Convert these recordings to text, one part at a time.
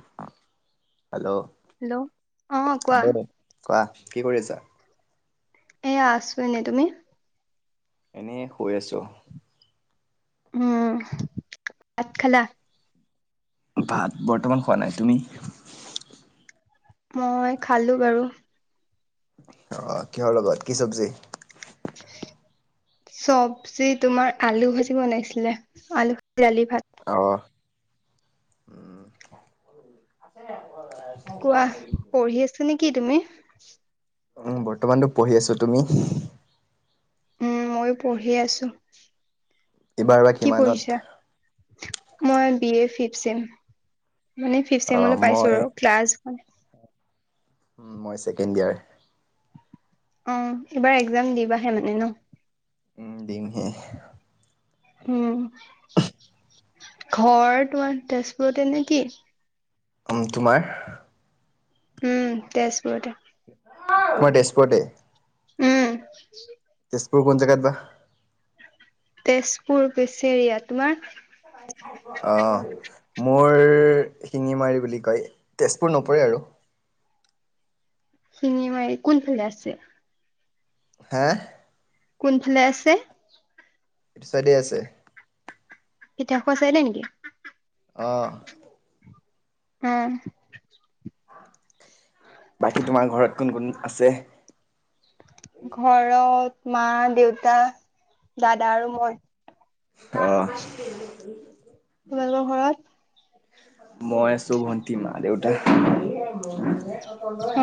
[unintelligible] Hello, hello অ কোৱা হব দে কোৱা কি কৰি আছা? এইয়া আছো এনে তুমি? এনেই শুই আছোঁ। উম, আত খালা? ভাত বৰ্তমান খোৱা নাই তুমি? মই খালো বাৰু। অ, কিহৰ লগত কি চব্জি? চবজি তোমাৰ আলু ভাজি বনাইছিলে আলু ভাজি দালি ভাত। অহ, উম [unintelligible] কোৱা পঢ়ি আছ নেকি তুমি? উম, বৰ্তমানটো পঢ়ি আছো তুমি? উম, মই পঢ়ি আছো এইবাৰ বা কি কিমানত? পঢ়িছা? মই বি এ ফিফ ছেম মানে ফিফ অ ছেমলে পাইছো মই আৰু ক্লাছ। [unintelligible] উম, মই ছেকেণ্ড ইয়াৰ। উম, এইবাৰ একজাম দিবাহে মানে ন'? উম, দিমহে। উম, ঘৰ তোমাৰ তেজপুৰতে নেকি? উম, তোমাৰ? উম, তেজপুৰতে। মই তেজপুৰতে। উম। তেজপুৰ কোন জেগাত বা? তেজপুৰ পেচেৰিয়া তোমাৰ? অহ, মোৰ শিঙিমাৰী বুলি কয় তেজপুৰ নপৰে আৰু। শিঙি মাৰি কোনফালে আছে? হে? কোনফালে আছে? এইটো চাইডে আছে। কেতিয়া খোৱা চাই নে নেকি? অহ', উম, বাকী তোমাৰ ঘৰত কোন -কোন আছে? ঘৰত মা, দেউতা, দাদা আৰু মই। অহ', তোমালোকৰ ঘৰত? মই আছো ভণ্টি, মা, দেউতা।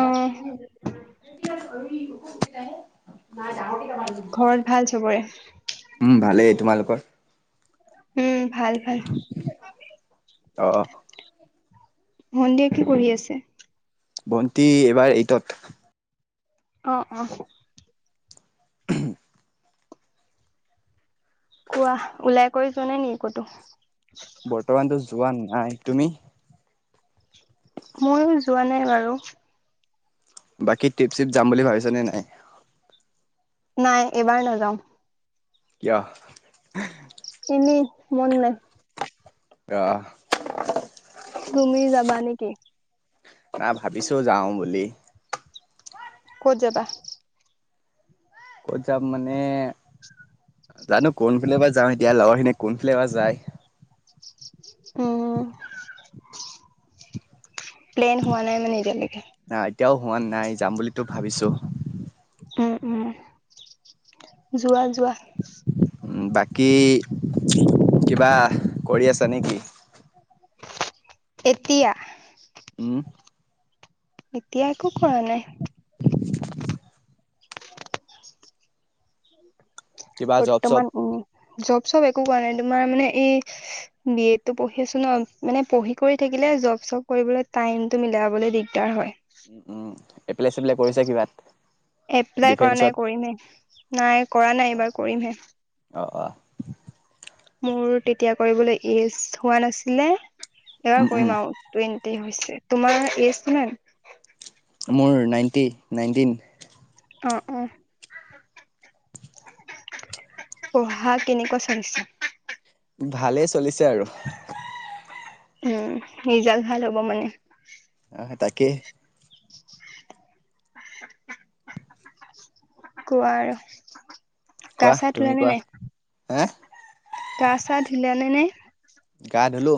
অ ঘৰত ভাল চবৰে? উম ভালেই। তোমালোকৰ? উম ভাল ভাল। অ ভন্তিয়ে কি পঢ়ি আছে? ভটি এইবাৰ এইটত। অ', অ', [unintelligible] কোৱা ওলাই কৰি যোৱা নাই নেকি ক'তো? বৰ্তমানতো যোৱা নাই তুমি? ময়ো যোৱা নাই বাৰু। বাকী ট্ৰিপ চিপ যাম বুলি ভাবিছা নে নাই? নাই এবাৰ নযাওঁ। যাহ। এনে মন নাই। অ। তুমি যাবা নেকি? না ভাবিছো যাও বুলি ক'ত যাবা? ক'ত যাম মানে জানো কোনফালে পা যাওঁ এতিয়া লগৰ খিনি কোনফালে বা যায়? উম। প্লেন হোৱা নাই মানে এতিয়ালেকে? না এতিয়াও হোৱা নাই যাম বুলিতো ভাবিছো। উম উম যোৱা যোৱা। বাকী কিবা কৰি আছা নেকি? এতিয়া উম। এতিয়া একো কৰা নাই। কিবা জব চব বৰ্তমান উম জব চব একো কোৱা নাই তোমাৰ মানে এই বি এ তো পঢ়ি আছো ন মানে পঢ়ি কৰি থাকিলে জব চব কৰিবলৈ টাইম টো মিলাবলৈ দিগ- দাৰ হয়। উম উম এপ্লাই চেপ্লাই কৰিছে কিবাত। এপ্লাই কৰা নাই ডিফেন্সত কৰিমহে নাই কৰা নাই অ', এইবাৰ কৰিমহে। অ অ। মোৰ তেতিয়া কৰিবলৈ এজ হোৱা নাছিলে উম, এবাৰ উম, কৰিম আও। টুৱেন্টি হৈছে। তোমাৰ এইজ কিমান? মোৰ নাইণ্টি নাইনটিন। অ অ পঢ়া কেনেকুৱা চলিছে? ভালেই চলিছে আৰু। উম ৰিজাল্ট ভাল হ'ব মানে? অহ তাকেই, [inaudible] কোৱা আৰ। কোৱা তুমি কোৱা? হে গা চা ধুলালালেনে? গা ধুলো।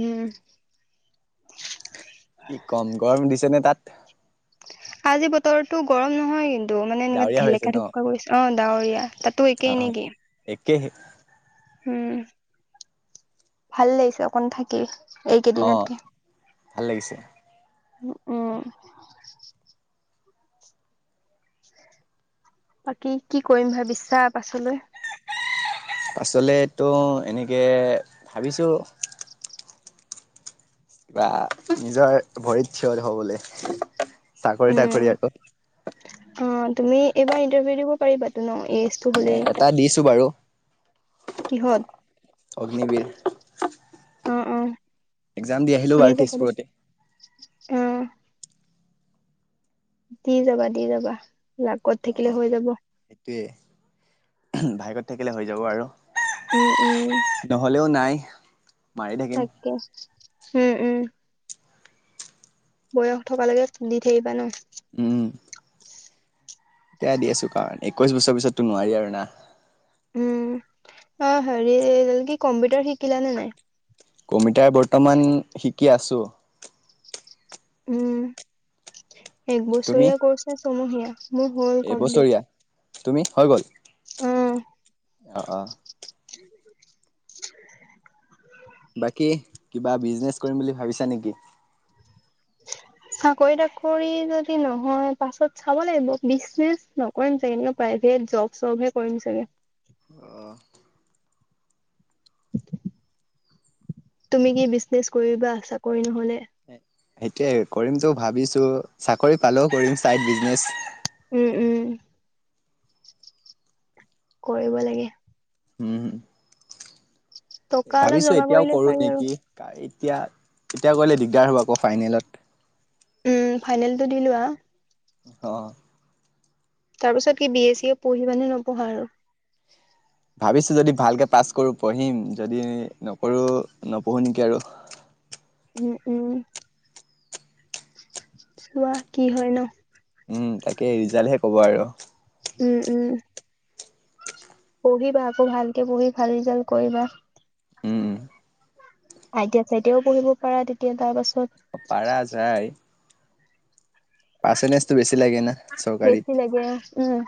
উম। কি কম গৰম দিছেনে তাত? আজি বতৰটো গৰম নহয় কিন্তু মানে এনেকুৱা ডাৱৰীয়া হৈ আছে ঢেলেকা ন ঢুভুকা কৰিছে অ ডাৱৰীয়া তাত অ একেহে উম ভাল লাগিছে অকণ থাকি অ', এইকেইদিনতকে ভাল লাগিছে। উ উম বাকি কি কৰিম ভাবিছা পাছলৈ পাছলেতো এনেকে ভাবিছো কিবা নিজৰ ভৰিত থিয়ত হবলে চাকৰি উম তাকৰি আক অ তুমি এইবাৰ ইন্টাৰভিউ দিব পাৰিবাতো ন এইজ এটা দিছো বাৰু, অগ্নিবীৰ। উম উম এক্জাম দি আহিলো বাৰু [unintelligible] তেজপুৰতে উম দি যাবা দি যাবা লাকত থাকিলে অ', হৈ যাব। সেইটোৱে ভাগ্যত থাকিলে হৈ যাব আৰু, উম উম নহলেও নাই মাৰি থাকিম, কেচ উম উম বয়স থকা লৈকে দি থাকিবা ন উম এতিয়া দি আছো কাৰণ একৈশ বছৰ পিছততো নোৱাৰি আৰু না উম অ হেৰি কি কম্পিউটাৰ শিকিলানে নাই? কম্পিউটাৰ বৰ্তমান শিকি আছো। উম তুমি একবছৰীয়া কৰ্চ নে ছমহীয়া মোৰ হ'ল কমপ্লিট এবছৰীয়া তুমি হৈ গল অ অ অ [unintelligible] বাকী কিবা বিজনেচ কৰিম বুলি ভাবিছা নেকি চাকৰি তাকৰি যদি নহয় পাছত চাব লাগিব বিজনেছ ন কৰিম চাগে এনেও প্ৰাইভেট জব চবহে কৰিম চাগে। তুমি কি বিজনেছ কৰিবা চাকৰি নহলে? সেইটোৱে কৰিমতো ভাবিছো চাকৰি পালেও কৰিম চাইড বিজনেছ উম উম কৰিব লাগে উম টকা অলপ ভাবিছো জমা এতিয়াও কৰিলে কৰো পাৰি আৰু নেকি। এতিয়া এতিয়া কৰিলে দিগদাৰ হ'ব আকৌ ফাইনেলত উম ফাইনেলতো দি লোৱা অ তাৰ পিছত কি বি এ চিয়ে পঢ়িবা নে নপঢ়া আৰু ভাবিছো যদি ভালকে পাছ কৰো পঢ়িম যদি নকৰো নপঢ়ো নেকি আৰু। উম উম চোৱা কি হয় ন। উম তাকে ৰিজাল্টহে কব আৰু উম উম পঢ়িবা আকৌ ভালকে পঢ়ি ভাল ৰিজাল্ট কৰিবা। উম, আইটিয়া চাইতিয়াও পঢ়িব পাৰা তেতিয়া তাৰ পাছত পাৰা যায়। পাৰ্চেন্টেজটো বেছি লাগে না। চৰকাৰীত। বেছি লাগে উম।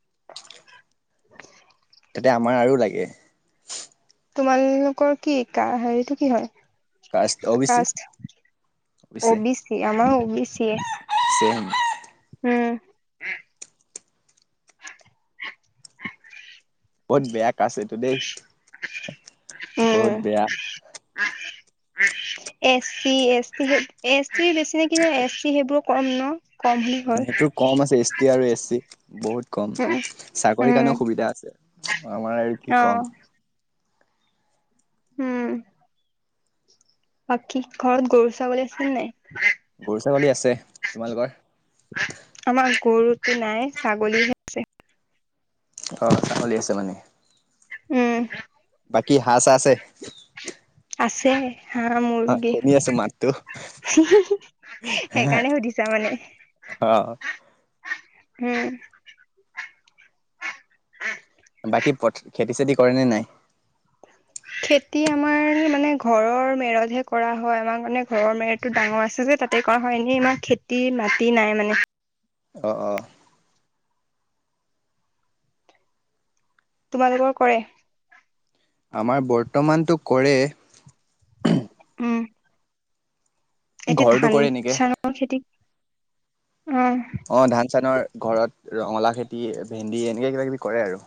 [inaudible] এতিয়া আমাৰ আৰু লাগে। তোমালোকৰ কি কা হেৰিটো কি হয় caste O B C caste O B C আমাৰো অ বি চি এ চেইম উম বহুত বেয়া কাষ্ট এইটো দেই বহুত বেয়া। S C, S T, S T বেছি নেকি জানো এছ চি সেইবোৰক কম ন কম বুলি কয়। নেটৱৰ্ক কম আছে এছ টি আৰু এ চি বহুত কম উম চাকৰিৰ উম, কাৰণেও সুবিধা আছে আমাৰ আৰু কি অ কম উম। বাকী ঘৰত গৰু ছাগলী আছিল নাই? গৰু ছাগলী আছে তোমালোকৰ? আমাৰ গৰুতো নাই ছাগলীহে আছে অ ছাগলী আছে মানে। উম বাকী হাঁহ-চাঁহ আছে? আছে। হাহ হয় মূৰগি। শুনি আছো মাতটো হি‌ হি হি, সেইকাৰণে সুধিছা মানে। অ। হম। বাকী পথ, খেতি-চেতি কৰেনে নাই? খেতি আমাৰ মানে ঘৰৰ মেৰতহে কৰা হয়, আমাৰ মানে ঘৰৰ মেৰত টো ডাঙৰ আছে যে তাতে কৰা হয়। এনেই ইমান খেতি মাটি নাই মানে। অ অ। তোমালোকৰ কৰে? আমাৰ বৰ্তমান টো কৰে, উম। এতিয়া ঘৰটো কৰে নেকি ধান-চানৰ খেতি, অহ। অঁ ধান-চানৰ, ঘৰত ৰঙালা খেতি, ভেন্দি এনেকৈ কিবাাকিবি কৰে আৰু।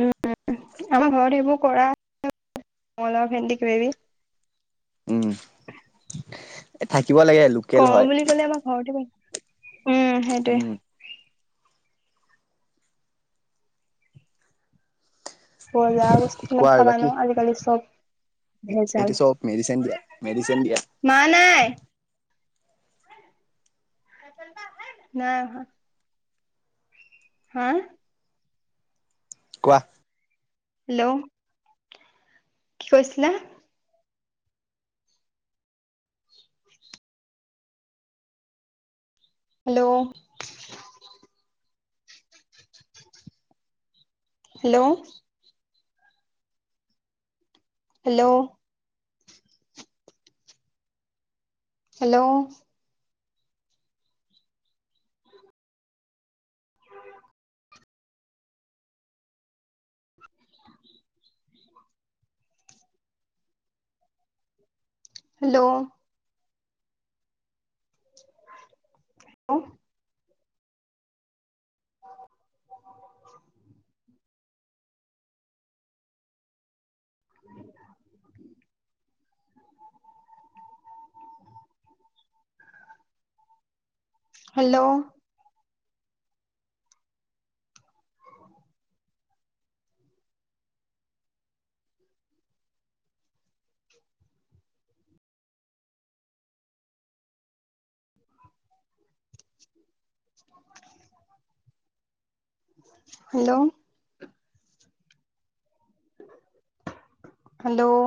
উম উম উম। আমাৰ ঘৰত সবোৰ কৰা [unintelligible] ঙলাও, ভেন্দি কিবা কিবি। উম। এই থাকিব লাগে, আৰু কৰো বুলি কলে আমাৰ ঘৰতে পাৰে। উম সেইটোয়ে। বজাৰ বস্তু কিমান কোৱা আৰু খাবা বাকী ন, আজিকালি চব ভেজাল এইটো চব মেডিচিন দিয়া। মেডিচিন দিয়া। মা নাই? নাই অহা। হা? কোৱা, হেল্ল', কি কৈছিলে? Hello, hello, hello, hello, [inaudible] hello! Hello? [inaudible] [inaudible] Hello! Hello? Hello,